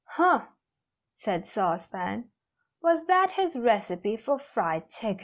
"Humph!" said Sauce Pan. "Was that his recipe for Fried Chicken?"